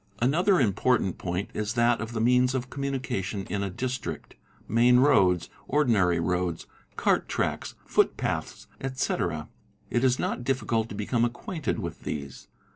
Another important point is that of the means of communication in a Biistrict, main roads, ordinary roads, cart tracks, footpaths, etc. It is not difficult to become acquainted with these.